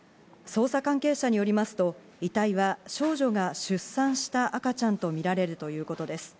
捜査関係者によりますと、遺体は少女が出産した赤ちゃんとみられるということです。